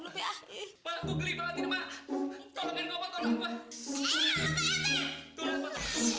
ada kata kata sama istriku ada kata kata sama istriku